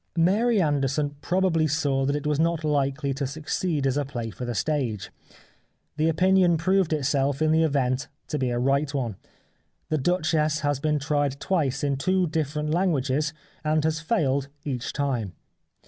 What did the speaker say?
Mary Anderson probably saw that it was not likely to succeed as a play for the stage. This opinion proved itself in the event to be a right one. The " Duchess " has been tried twice in two different languages and has failed each time.